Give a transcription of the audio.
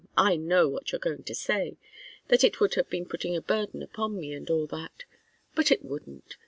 I know what you're going to say that it would have been putting a burden upon me and all that. But it wouldn't.